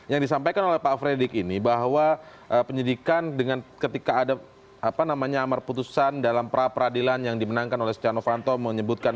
yang disampaikan oleh pak afreddik ini bahwa penyidikan dengan ketika ada apa namanya amar putusan dalam pra peradilan yang dimenangkan oleh secanofanto menyebutkan